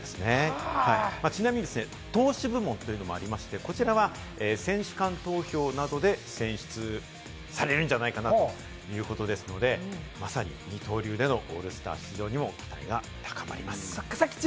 ちなみに投手部門というのもありまして、こちらは選手間投票などで選出されるんじゃないかなということですので、まさに二刀流でのオールスター、非常に期待が高まります。